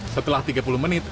setelah tiga puluh menit